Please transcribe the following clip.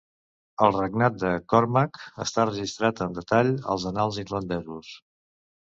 El regnat de Cormac està registrat en detall als annals irlandesos.